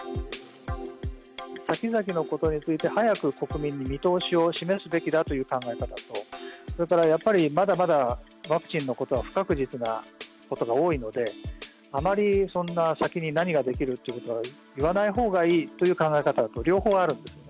先々のことについて、早く国民に見通しを示すべきだという考え方と、それからやっぱり、まだまだワクチンのことは不確実なことが多いので、あまりそんな先に何ができるということは言わないほうがいいという考え方と、両方あるんですよね。